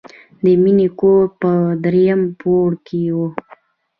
د مینې کور په دریم پوړ کې و